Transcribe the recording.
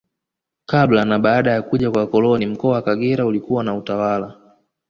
Kabla na baada ya kuja kwa wakoloni Mkoa wa Kagera ulikuwa na utawala